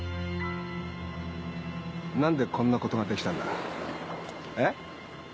なんでこんなことができたんだ？